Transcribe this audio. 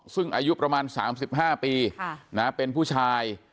ซึ่งอายุประมาณ๓๕ปีเป็นผู้ชาย